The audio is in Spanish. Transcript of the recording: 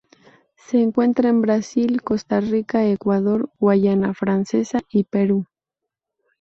Se encuentra en Brasil, Costa Rica, Ecuador, Guayana Francesa y Perú.